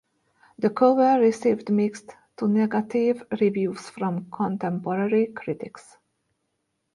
The cover received mixed to negative reviews from contemporary critics.